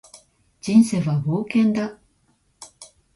人生は冒険だ